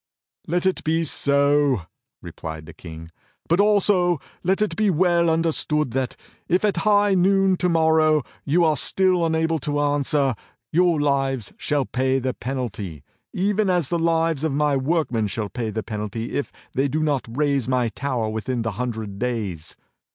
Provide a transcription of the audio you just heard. "Let it be so," replied the King, "but also let it be well under stood that if at high noon tomorrow you are still unable to answer, your lives shall pay the penalty, even as the lives of my workmen shall pay the penalty if they do not raise my tower within the hundred days.